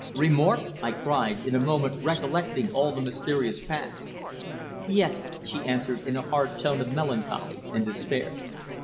"Remorse?" I cried, in a moment recollecting all the mysterious past. "Yes," she answered in a hard tone of melancholy and despair.